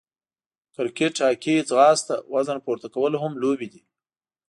کرکېټ، هاکې، ځغاسته، وزن پورته کول هم لوبې دي.